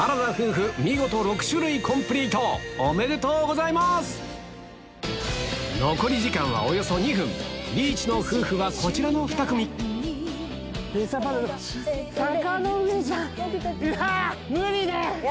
おめでとうございます残り時間はおよそ２分リーチの夫婦はこちらの２組レッサーパンダどこ？